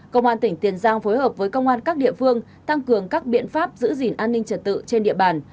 công an tỉnh tiền giang phối hợp với công an các địa phương tăng cường các biện pháp giữ gìn an ninh trật tự trên địa bàn